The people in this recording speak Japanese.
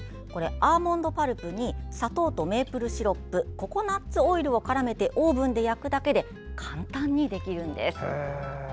アーモンドパルプに砂糖とメープルシロップココナツオイルをからめてオーブンで焼くだけで簡単にできるんです。